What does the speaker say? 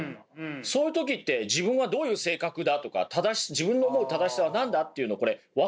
そういう時って自分はどういう性格だとか自分の思う正しさは何だっていうのこれ分かりますかね？